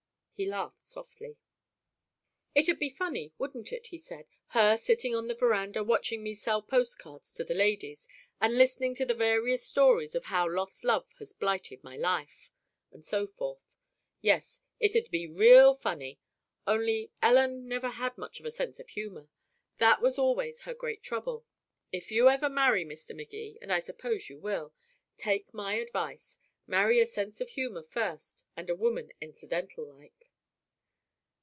He laughed softly. "It'd be funny, wouldn't it," he said. "Her sitting on the veranda watching me sell post cards to the ladies, and listening to the various stories of how a lost love has blighted my life, and so forth. Yes, it'd be real funny only Ellen never had much sense of humor. That was always her great trouble. If you ever marry, Mr. Magee, and I suppose you will, take my advice. Marry a sense of humor first, and a woman incidental like."